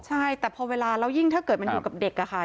ใช่แต่พอเวลาแล้วยิ่งถ้าเกิดมันอยู่กับเด็กอะค่ะ